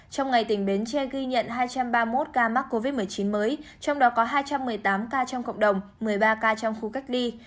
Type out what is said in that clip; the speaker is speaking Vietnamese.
trong ngày tỉnh bến tre ghi nhận hai trăm ba mươi một ca mắc covid một mươi chín mới trong đó có hai trăm một mươi tám ca trong cộng đồng một mươi ba ca trong khu cách ly